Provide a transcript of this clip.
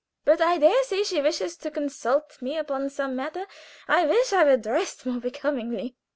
"But I dare say she wishes to consult me upon some matter. I wish I were dressed more becomingly.